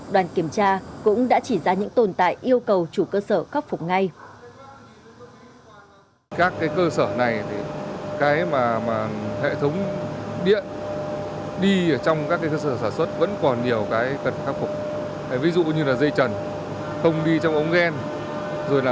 đoàn kiểm tra cũng đã chỉ ra những tồn tại yêu cầu chủ cơ sở khắc phục ngay